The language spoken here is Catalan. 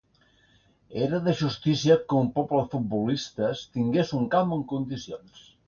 Era de justícia que un poble de futbolistes tingués un camp en condicions.